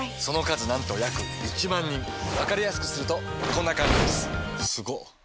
その数なんと約１万人わかりやすくするとこんな感じすごっ！